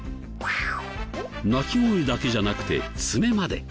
鳴き声だけじゃなくて爪まで。